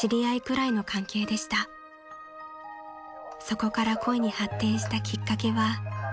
［そこから恋に発展したきっかけは］